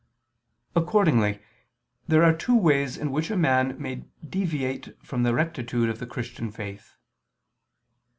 Accordingly there are two ways in which a man may deviate from the rectitude of the Christian faith.